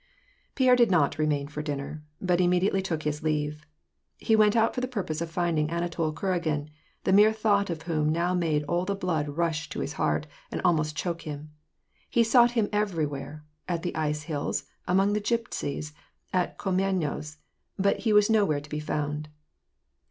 Pierre did not remain for dinner, but immediately took his leave. He went out for the purpose of finding Anatol Kuragin, the mere thotight of whom now made all the blood rush to his heart, and almost choked him. He sought him ever}^ where: at the ice hills, among the gypsies, at Gomo neno's ; but he was nowhere to be found.